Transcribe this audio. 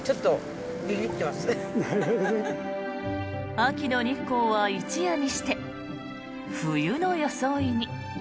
秋の日光は一夜にして冬の装いに。